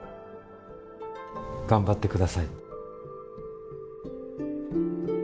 「頑張って下さい！」。